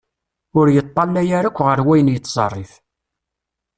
Ur yeṭallay ara akk ɣer wayen yettserrif.